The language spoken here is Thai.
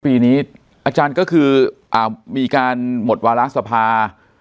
ปีนี้อาจารย์ก็คือมีการหมดวาระสภา